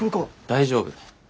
大丈夫。